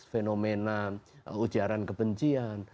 fenomena ujaran kebencian